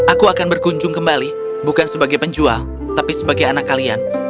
aku akan berkunjung kembali bukan sebagai penjual tapi sebagai anak kalian